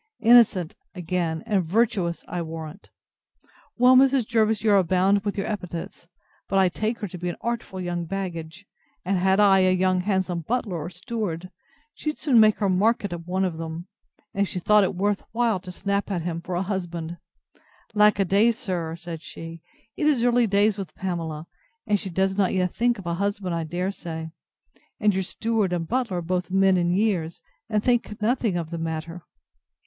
Innocent! again, and virtuous, I warrant! Well, Mrs. Jervis, you abound with your epithets; but I take her to be an artful young baggage; and had I a young handsome butler or steward, she'd soon make her market of one of them, if she thought it worth while to snap at him for a husband. Alack a day, sir, said she, it is early days with Pamela; and she does not yet think of a husband, I dare say: and your steward and butler are both men in years, and think nothing of the matter.